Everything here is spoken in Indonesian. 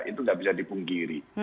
itu tidak bisa dipungkiri